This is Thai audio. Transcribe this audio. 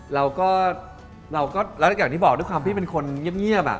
เราก็แล้วอย่างที่บอกด้วยความที่เป็นคนเงียบ